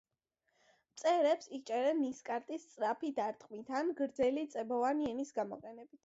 მწერებს იჭერენ ნისკარტის სწრაფი დარტყმით ან გრძელი წებოვანი ენის გამოყენებით.